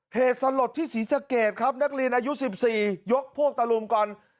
เหตุสลดที่ศรีสะเกดครับนักเรียนอายุ๑๔ยกพวกตะลุมกัน